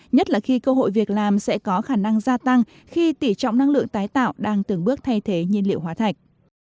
nhất là khi cơ hội việc làm sẽ có khả năng gia tăng khi tỉ trọng năng lượng tái tạo đang từng bước thay thế nhiên liệu hóa thạch